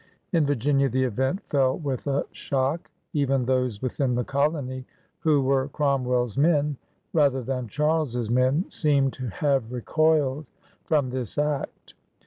In Virginia the event fell with a shock. Even those within the colony who were Cromwell's men rather than Charles's men seem to have re coiled from this act.